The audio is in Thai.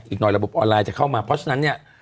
อีกหน่อยระบบออนไลน์จะเข้ามาเพราะฉะนั้นเนี่ย